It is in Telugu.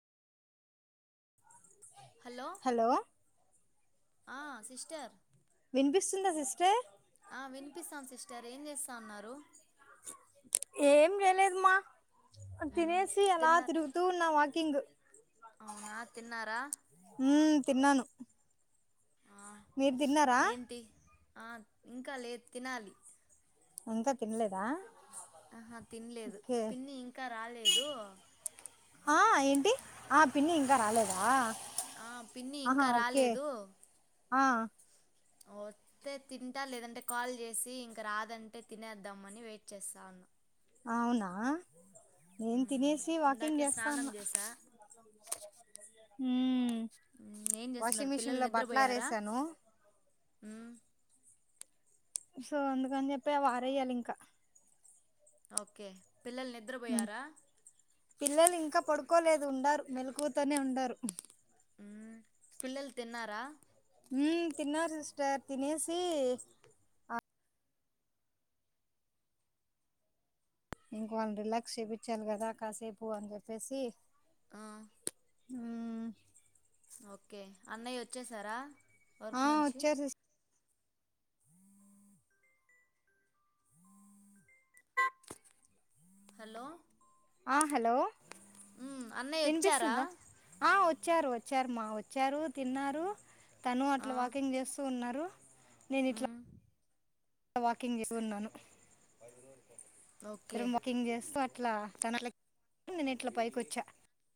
హలో ఆ సిస్టర్ వినిపిస్తుందా సిస్టర్ ఆ వినిపిస్తాంది సిస్టర్ ఏం చేస్తా అన్నారు ఏం చేయలేదు మా మ్మ్ తినేసి ఎలా తిన్నారు తిరుగుతు త కింగ్ అవునా తిన్నారా యూ తిన్నాను ఆ మీరు తిన్నారా ఏంటి ఆ ఇంకా లేదు తినాలి ఇంకా తినలేదా ఆహా తిన్నలేదు ఓకే పిన్ని ఇంకా రాలేదు ఆ ఏంటి ఆ పిన్ని ఇంకా రాలేదా ఆ పిన్ని ఆహా ఇంకా ఓకే రాలేదు ఆ వస్తే తింటా లేదంటే కాల్ చేసి ఇంక రాదంటే తినేద్దామని వెయిట్ చేస్తా ఉన్నా అవునా నేను మ్మ్ తినేసి వాకింగ్ ఇందాకే చేస్తా స్నానం ఉన్నా చేసా ఉ మ్మ్ ఏం చేస్తున్నారు వాషింగ్ మిషన్ లో బట్టలు ఆరేసాను ఉ సో అందుకని ఓకే పిల్లలు మ్మ్ నిద్రపోయారా పిల్లలు ఇంకా పడుకోలేదు ఉండారు మెలుకువతోనే ఉండారు ఉ పిల్లలు తిన్నారా ఊ తిన్నా సిస్టర్ తినేసి ఇంక వాళ్ళని రిలాక్స్ చెప్పించాలి కదా కాసేపు అని చెప్పేసి ఆ యూ ఓకే అన్నయ్య వచ్చేశారా ఆ వర్క్ నుంచి వచ్చారు సిస్ హలో ఆ హలో మ్మ్, అన్నయ్య వచ్చారా వినిపిస్తుందా ఆ వచ్చారు వచ్చారు మా వచ్చారు తిన్నారు తను ఆ, అట్లా వాకింగ్ చేస్తూ ఉన్నారు రు నేను ఇట్లా మ్మ్, ఇ వాకింగ్ చేస్తు ఉన్నాను ఓకే ఇద్దరం వాకింగ్ చేస్తూ అట్లా తనల నేను ఇట్లా పైకొచ్చా